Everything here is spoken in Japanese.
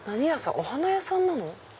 お花屋さんなの？